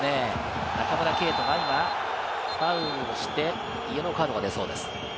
中村敬斗が今、ファウルをして、イエローカードが出そうです。